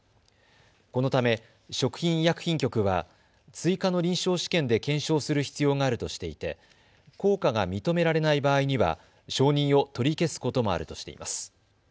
このため食品医薬品局は追加の臨床試験で検証する必要があるとしていて効果が認められない場合には承認を取り消すこともあるとしています。